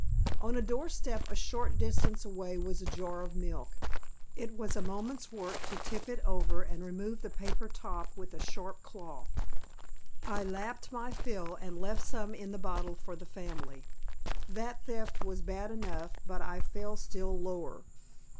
On a door step a short distance away was a jar of milk. It was a moment's work to tip it over and remove the paper top with a sharp claw. I lapped my fill and left some in the bottle for the family. That theft was bad enough, but I fell still lower.